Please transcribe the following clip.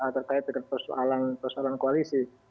terkait dengan persoalan koalisi